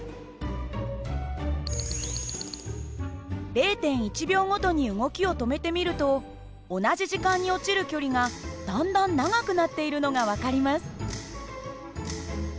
０．１秒ごとに動きを止めてみると同じ時間に落ちる距離がだんだん長くなっているのが分かります。